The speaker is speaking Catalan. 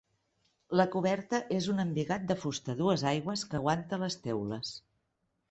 La coberta és un embigat de fusta a dues aigües que aguanta les teules.